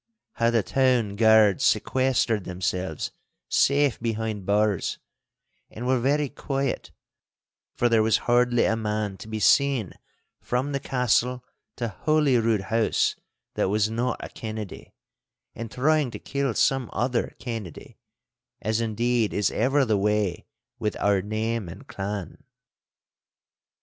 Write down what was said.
How the town guards sequestered themselves safe behind bars, and were very quiet, for there was hardly a man to be seen from the castle to Holyrood House that was not a Kennedy, and trying to kill some other Kennedy—as indeed is ever the way with our name and clan.